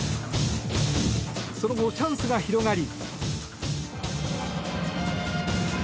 その後、チャンスが広がり。